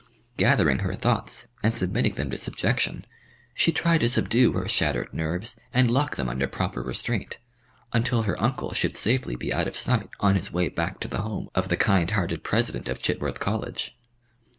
Gathering her thoughts and submitting them to subjection, she tried to subdue her shattered nerves and lock them under proper restraint, until her uncle should safely be out of sight on his way back to the home of the kind hearted President of Chitworth College.